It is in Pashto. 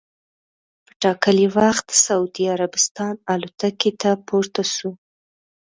په ټا کلي وخت د سعودي عربستان الوتکې ته پورته سو.